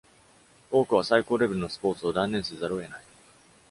多くは最高レベルのスポーツを断念せざるを得ない。